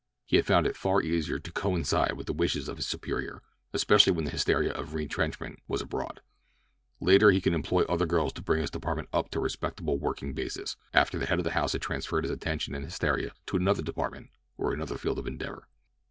He had found it far easier to coincide with the wishes of his superior, especially when the hysteria of retrenchment was abroad; later he could employ other girls to bring his department up to a respectable working basis—after the head of the house had transferred his attention and hysteria to another department or another field of endeavor.